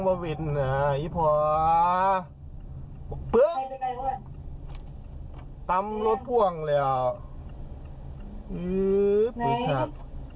ไม่ได้ให้เป็นรถ์พ่วงว่างไว้ตรงไหน